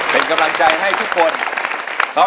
เป็นกำลังใจให้ทุกคน